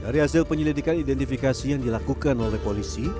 dari hasil penyelidikan identifikasi yang dilakukan oleh polisi